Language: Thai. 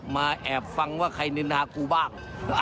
แอบฟังว่าใครนินทากูบ้าง